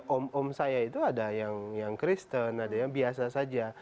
om om saya itu ada yang kristen ada yang biasa saja